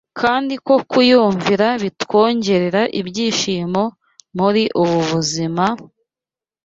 kandi ko kuyumvira bitwongerera ibyishimo muri ubu buzima,